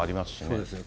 そうですね。